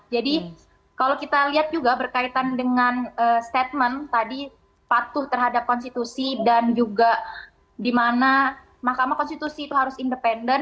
jadi kalau kita lihat juga berkaitan dengan statement tadi patuh terhadap konstitusi dan juga di mana makam konstitusi itu harus independen